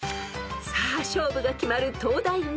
［さあ勝負が決まる東大ナゾトレ］